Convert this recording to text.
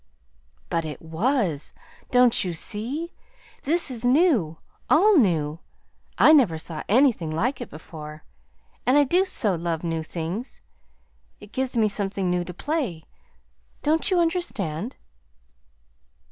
"But it was! don't you see? This is new, all new. I never saw anything like it before; and I do so love new things. It gives me something new to play; don't you understand?"